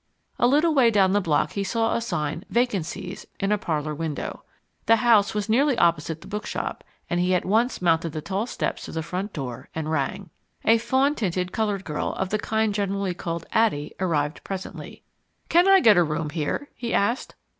A little way down the block he saw a sign VACANCIES in a parlour window. The house was nearly opposite the bookshop, and he at once mounted the tall steps to the front door and rang. A fawn tinted coloured girl, of the kind generally called "Addie," arrived presently. "Can I get a room here?" he asked.